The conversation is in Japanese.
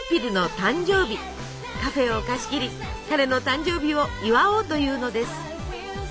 カフェを貸し切り彼の誕生日を祝おうというのです。